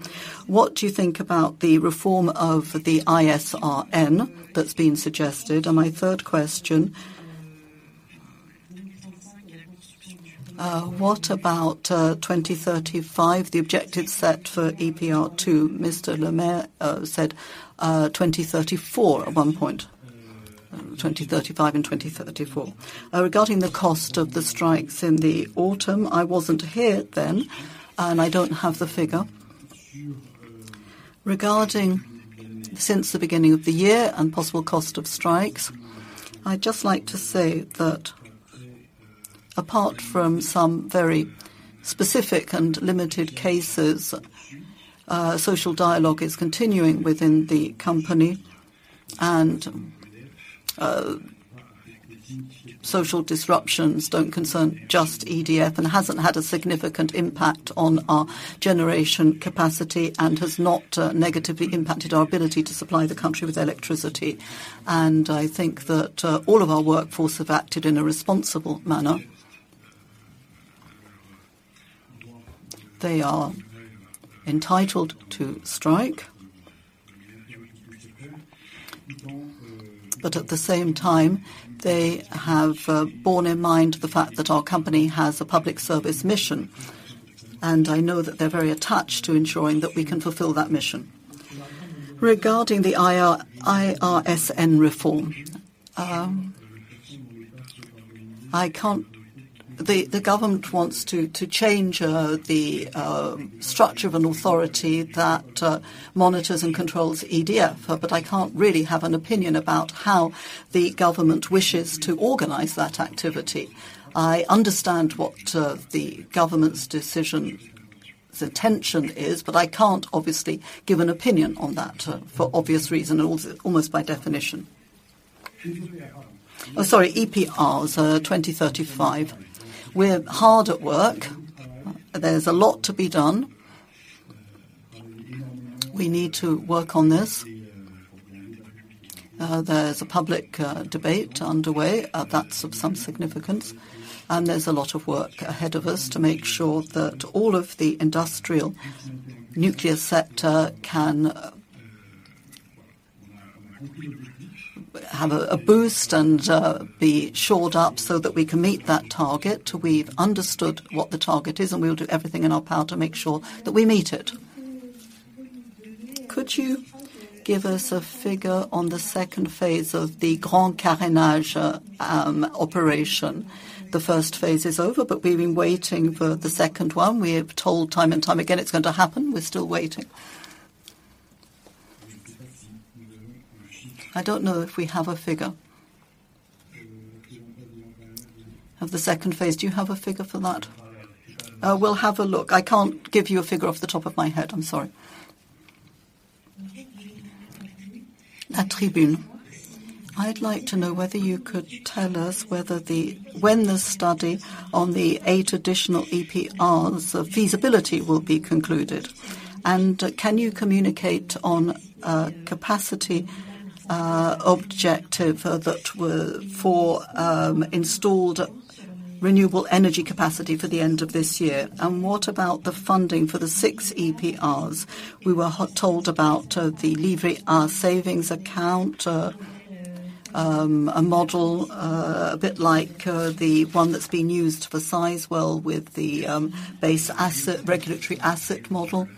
What do you think about the reform of the IRSN that's been suggested? My third question, what about 2035, the objective set for EPR2? Mr. Le Maire said 2034 at one point. 2035 and 2034. Regarding the cost of the strikes in the autumn, I wasn't here then, and I don't have the figure. Regarding since the beginning of the year and possible cost of strikes, I'd just like to say that apart from some very specific and limited cases, social dialogue is continuing within the company. Social disruptions don't concern just EDF and hasn't had a significant impact on our generation capacity and has not negatively impacted our ability to supply the country with electricity. I think that all of our workforce have acted in a responsible manner. They are entitled to strike. At the same time, they have borne in mind the fact that our company has a public service mission. I know that they're very attached to ensuring that we can fulfill that mission. Regarding the IRSN reform, the government wants to change the structure of an authority that monitors and controls EDF, but I can't really have an opinion about how the government wishes to organize that activity. I understand what the government's decision's intention is, but I can't obviously give an opinion on that, for obvious reason, almost by definition. EPR, 2035. We're hard at work. There's a lot to be done. We need to work on this. There's a public debate underway that's of some significance, and there's a lot of work ahead of us to make sure that all of the industrial nuclear sector can have a boost and be shored up so that we can meet that target. We've understood what the target is, and we'll do everything in our power to make sure that we meet it. Could you give us a figure on the second phase of the Grand Carénage operation? The first phase is over, but we've been waiting for the second one. We're told time and time again it's going to happen. We're still waiting. I don't know if we have a figure of the second phase. Do you have a figure for that? We'll have a look. I can't give you a figure off the top of my head. I'm sorry. La Tribune. I'd like to know whether you could tell us whether when the study on the eight additional EPRs, feasibility will be concluded. Can you communicate on a capacity objective that were for installed renewable energy capacity for the end of this year? What about the funding for the six EPRs? We were told about the Livret A savings account, a model, a bit like the one that's being used for Sizewell with the base asset, regulatory asset model.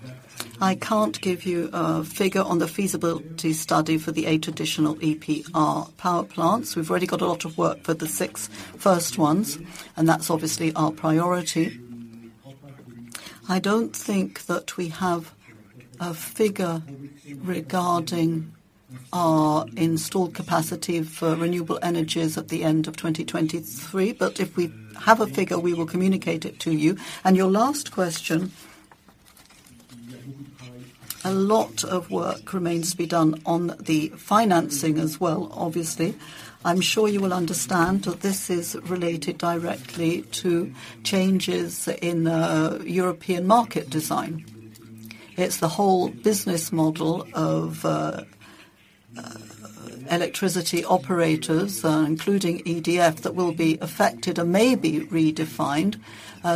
I can't give you a figure on the feasibility study for the eight additional EPR power plants. We've already got a lot of work for the six first ones, and that's obviously our priority. I don't think that we have a figure regarding our installed capacity for renewable energies at the end of 2023, but if we have a figure, we will communicate it to you. Your last question, a lot of work remains to be done on the financing as well, obviously. I'm sure you will understand that this is related directly to changes in European market design. It's the whole business model of electricity operators, including EDF, that will be affected and may be redefined,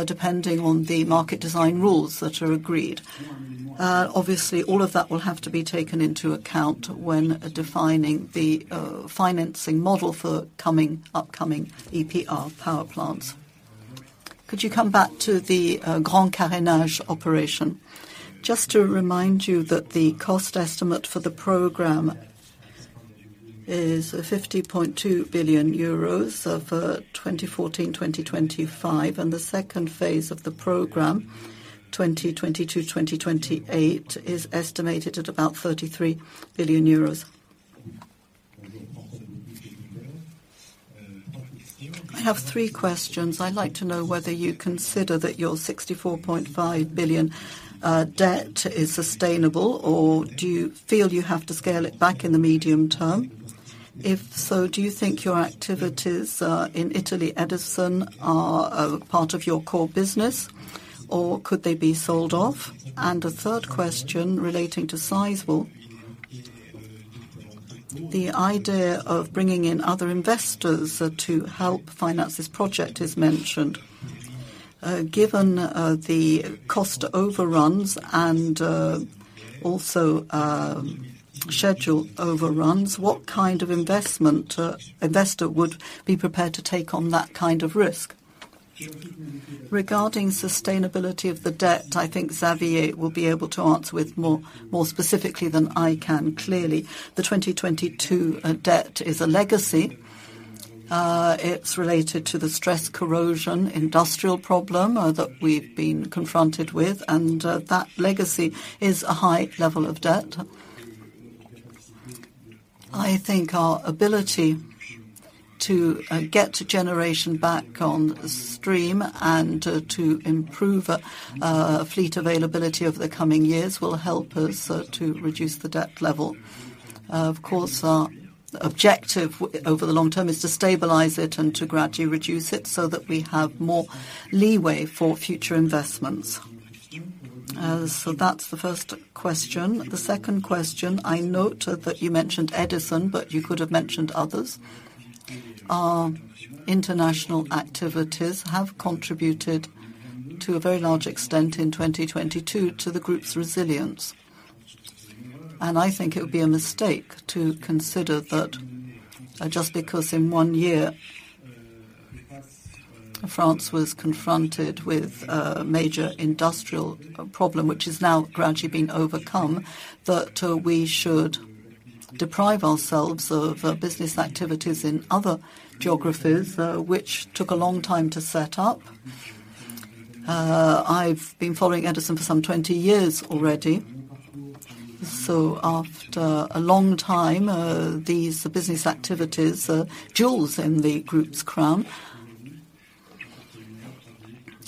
depending on the market design rules that are agreed. Obviously all of that will have to be taken into account when defining the financing model for coming, upcoming EPR power plants. Could you come back to the Grand Carénage operation? Just to remind you that the cost estimate for the program is EUR 50.2 billion of 2014, 2025, and the second phase of the program, 2022, 2028, is estimated at about 33 billion euros. I have three questions. I'd like to know whether you consider that your 64.5 billion debt is sustainable, or do you feel you have to scale it back in the medium term? If so, do you think your activities in Italy, Edison, are a part of your core business, or could they be sold off? A third question relating to Sizewell. The idea of bringing in other investors to help finance this project is mentioned. Given the cost overruns and also schedule overruns, what kind of investment investor would be prepared to take on that kind of risk? Regarding sustainability of the debt, I think Xavier will be able to answer more specifically than I can. Clearly, the 2022 debt is a legacy. It's related to the stress corrosion industrial problem that we've been confronted with, and that legacy is a high level of debt. I think our ability to get to generation back on stream and to improve fleet availability over the coming years will help us to reduce the debt level. Of course, our objective over the long term is to stabilize it and to gradually reduce it so that we have more leeway for future investments. That's the first question. The second question, I note that you mentioned Edison, but you could have mentioned others. Our international activities have contributed to a very large extent in 2022 to the group's resilience. I think it would be a mistake to consider that, just because in 1 year France was confronted with a major industrial problem, which is now gradually being overcome, that we should deprive ourselves of business activities in other geographies, which took a long time to set up. I've been following Edison for some 20 years already. After a long time, these business activities are jewels in the group's crown.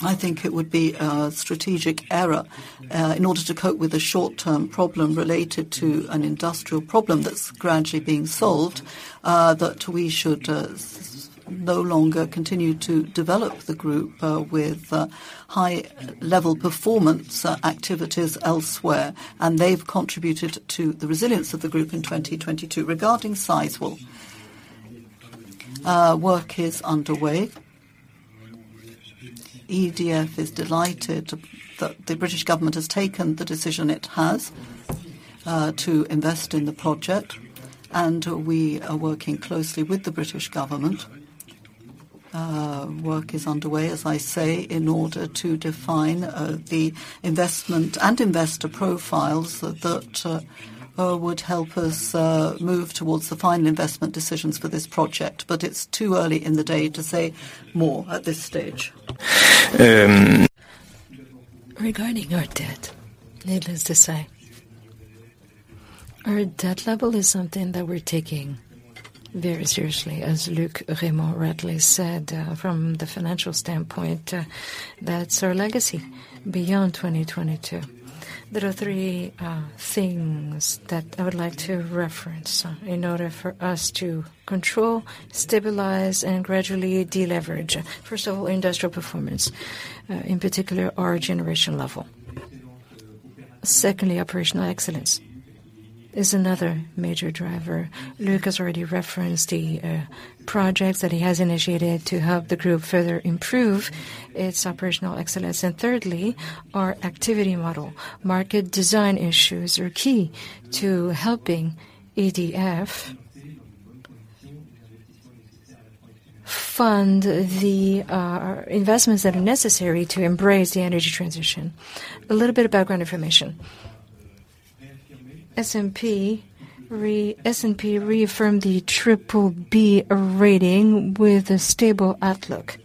I think it would be a strategic error, in order to cope with the short-term problem related to an industrial problem that's gradually being solved, that we should no longer continue to develop the group, with high-level performance, activities elsewhere. They've contributed to the resilience of the group in 2022. Regarding Sizewell, work is underway. EDF is delighted that the British government has taken the decision it has to invest in the project, and we are working closely with the British government. Work is underway, as I say, in order to define the investment and investor profiles that would help us move towards the final investment decisions for this project. It's too early in the day to say more at this stage. Um- Regarding your debt, needless to say, our debt level is something that we're taking very seriously, as Luc Rémont rightly said. From the financial standpoint, that's our legacy beyond 2022. There are three things that I would like to reference in order for us to control, stabilize, and gradually deleverage. First of all, industrial performance, in particular our generation level. Secondly, operational excellence is another major driver. Luc has already referenced the projects that he has initiated to help the group further improve its operational excellence. Thirdly, our activity model. Market design issues are key to helping EDF fund the investments that are necessary to embrace the energy transition. A little bit of background information. S&P reaffirmed the BBB rating with a stable outlook.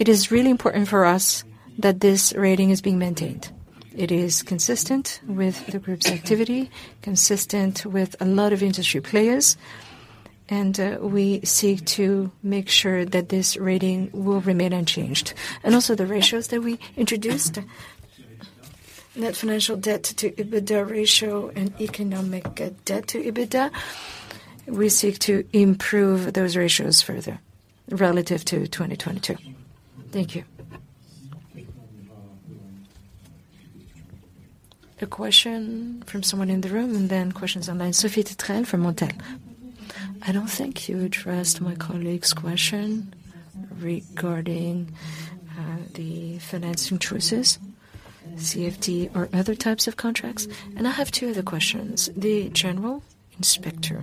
It is really important for us that this rating is being maintained. It is consistent with the group's activity, consistent with a lot of industry players, and we seek to make sure that this rating will remain unchanged. Also the ratios that we introduced, net financial debt to EBITDA ratio and economic debt to EBITDA, we seek to improve those ratios further relative to 2022. Thank you. A question from someone in the room and then questions online. Sophie Tiano, L'Hôtel & Lodge. I don't think you addressed my colleague's question regarding the financing choices, CFD or other types of contracts. I have two other questions. The general inspector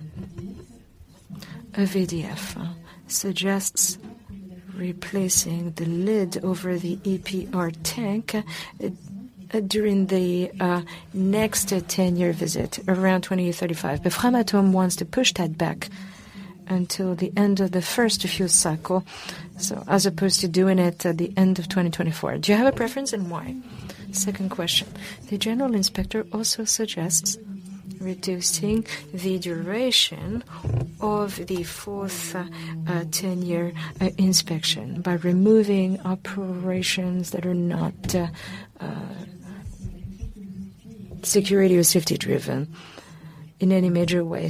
of EDF suggests replacing the lid over the EPR tank during the next 10-year visit around 2035. Framatome wants to push that back until the end of the first few cycle, so as opposed to doing it at the end of 2024. Do you have a preference and why? Second question: The general inspector also suggests reducing the duration of the fourth 10-year inspection by removing operations that are not. Security or safety driven in any major way.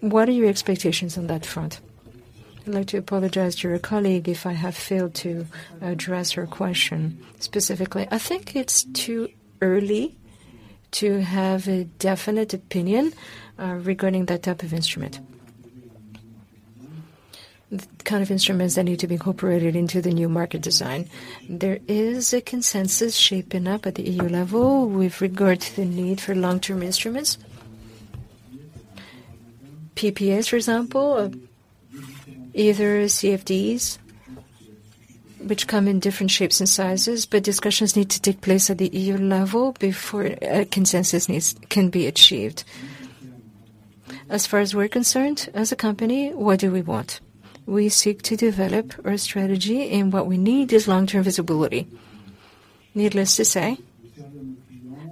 What are your expectations on that front? I'd like to apologize to your colleague if I have failed to address her question specifically. I think it's too early to have a definite opinion regarding that type of instrument. The kind of instruments that need to be incorporated into the new market design. There is a consensus shaping up at the E.U. level with regard to the need for long-term instruments. PPAs, for example, either CFDs, which come in different shapes and sizes, but discussions need to take place at the E.U. Level before a consensus can be achieved. As far as we're concerned, as a company, what do we want? We seek to develop our strategy, and what we need is long-term visibility. Needless to say,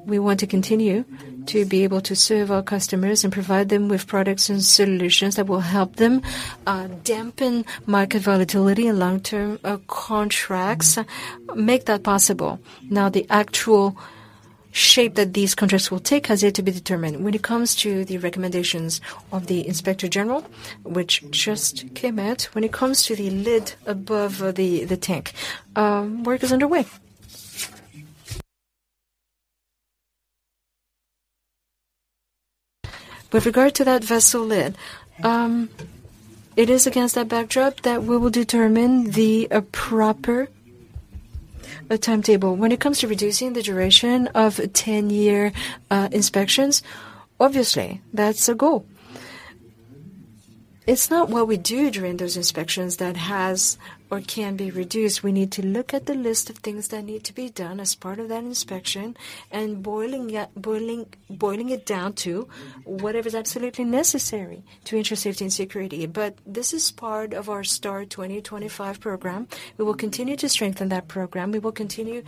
we want to continue to be able to serve our customers and provide them with products and solutions that will help them dampen market volatility and long-term contracts make that possible. The actual shape that these contracts will take has yet to be determined. When it comes to the recommendations of the Inspector General, which just came out, when it comes to the lid above the tank, work is underway. With regard to that vessel lid, it is against that backdrop that we will determine the proper timetable. When it comes to reducing the duration of 10-year inspections, obviously, that's a goal. It's not what we do during those inspections that has or can be reduced. We need to look at the list of things that need to be done as part of that inspection and boiling it down to whatever is absolutely necessary to ensure safety and security. This is part of our START 2025 program. We will continue to strengthen that program. We will continue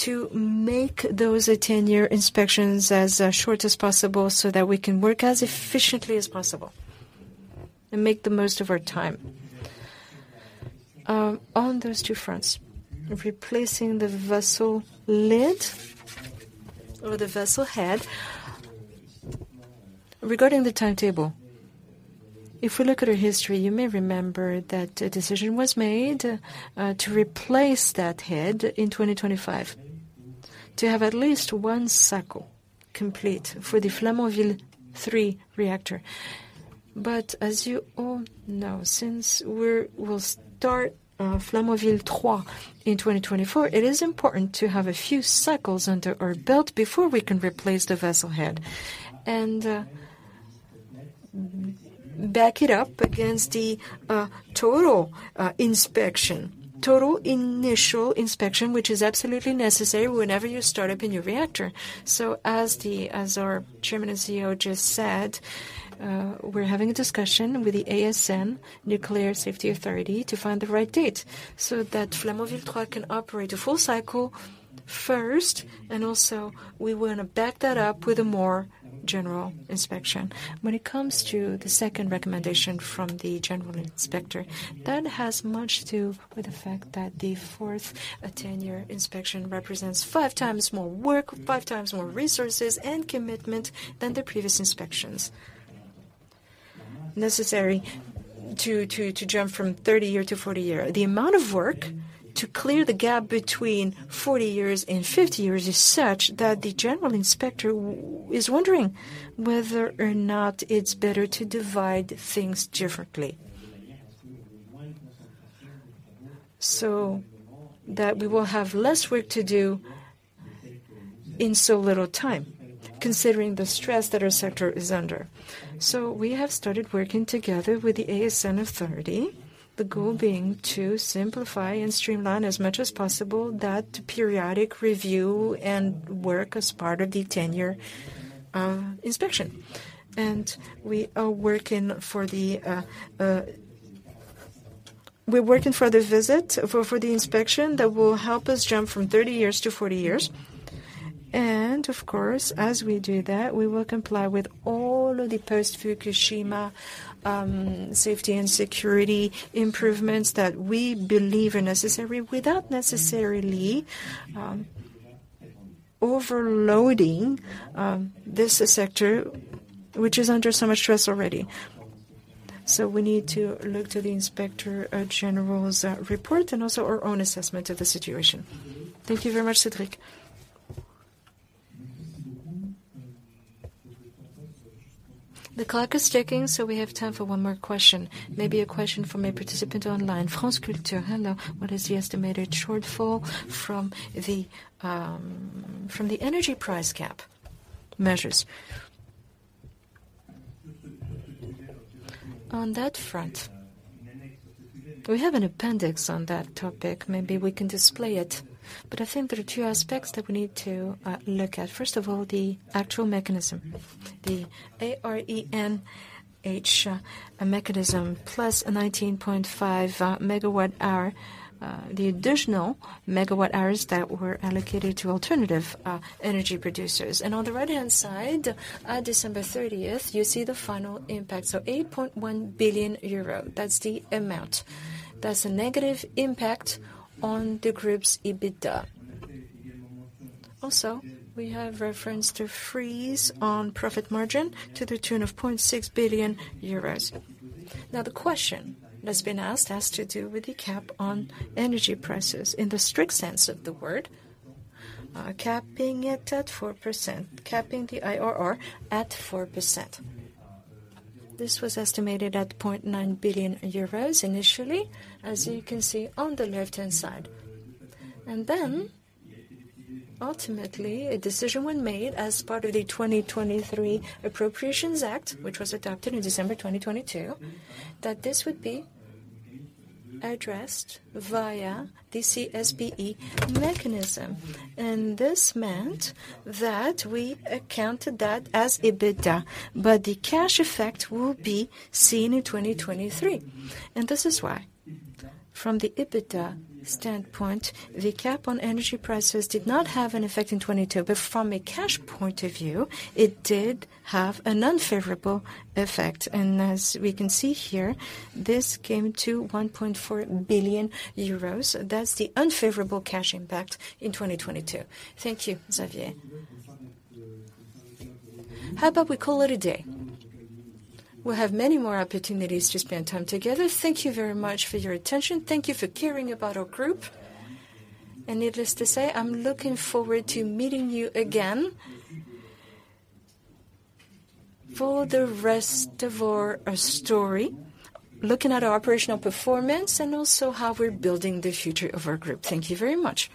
to make those 10-year inspections as short as possible so that we can work as efficiently as possible and make the most of our time. On those two fronts, replacing the vessel lid or the vessel head. Regarding the timetable, if we look at our history, you may remember that a decision was made to replace that head in 2025, to have at least one cycle complete for the Flamanville 3 reactor. As you all know, since we'll start Flamanville 3 in 2024, it is important to have a few cycles under our belt before we can replace the vessel head. Back it up against the total inspection, total initial inspection, which is absolutely necessary whenever you start up a new reactor. As our Chairman and CEO just said, we're having a discussion with the ASN Nuclear Safety Authority to find the right date so that Flamanville 3 can operate a full cycle first, and also we wanna back that up with a more general inspection. When it comes to the second recommendation from the Inspector General, that has much to with the fact that the 4th 10-year inspection represents five times more work, five times more resources and commitment than the previous inspections. Necessary to jump from 30 years to 40 years. The amount of work to clear the gap between 40 years and 50 years is such that the Inspector General is wondering whether or not it's better to divide things differently so that we will have less work to do in so little time, considering the stress that our sector is under. We have started working together with the ASN Authority, the goal being to simplify and streamline as much as possible that periodic review and work as part of the 10-year inspection. We are working for the visit, for the inspection that will help us jump from 30 years to 40 years. Of course, as we do that, we will comply with all of the post Fukushima safety and security improvements that we believe are necessary without necessarily overloading this sector, which is under so much stress already. We need to look to the Inspector General's report and also our own assessment of the situation. Thank you very much, Cédric. The clock is ticking, so we have time for one more question. Maybe a question from a participant online. France Culture. Hello. What is the estimated shortfall from the energy price cap measures? On that front, we have an appendix on that topic. Maybe we can display it. I think there are two aspects that we need to look at. First of all, the actual mechanism, the ARENH mechanism, plus a 19.5 MWh, the additional MWhs that were allocated to alternative energy producers. On the right-hand side, December 30th, you see the final impact. 8.1 billion euro, that's the amount. That's a negative impact on the group's EBITDA. We have reference to freeze on profit margin to the tune of 0.6 billion euros. The question that's been asked has to do with the cap on energy prices in the strict sense of the word, capping it at 4%, capping the IRR at 4%. This was estimated at 0.9 billion euros initially, as you can see on the left-hand side. Ultimately, a decision was made as part of the 2023 Appropriations Act, which was adopted in December 2022, that this would be addressed via the CSPE mechanism. This meant that we accounted that as EBITDA, but the cash effect will be seen in 2023. This is why from the EBITDA standpoint, the cap on energy prices did not have an effect in 2022, but from a cash point of view, it did have an unfavorable effect. As we can see here, this came to 1.4 billion euros. That's the unfavorable cash impact in 2022. Thank you, Xavier. How about we call it a day? We'll have many more opportunities to spend time together. Thank you very much for your attention. Thank you for caring about our group. Needless to say, I'm looking forward to meeting you again for the rest of our story, looking at our operational performance and also how we're building the future of our group. Thank you very much.